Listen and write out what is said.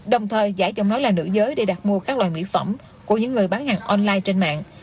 đồng thời giải trọng nói là nữ giới để đặt mua các loại mỹ phẩm của những người bán hàng online trên mạng